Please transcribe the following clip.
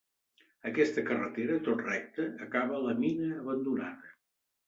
Aquesta carretera, tot recte, acaba a la mina abandonada.